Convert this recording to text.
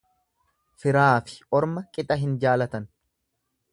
Firaafi orma qixa hin jaalatan.